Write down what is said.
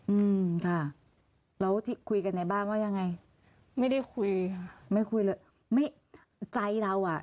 อืมค่ะแล้วที่คุยกันในบ้านว่ายังไงไม่ได้คุยค่ะไม่คุยเลยไม่ใจเราอ่ะ